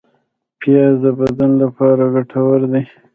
پیاز د بدن لپاره ګټور دی